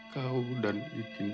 kau dan ikin suamimu